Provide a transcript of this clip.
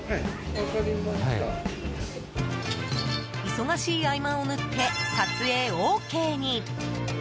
忙しい合間を縫って撮影ＯＫに。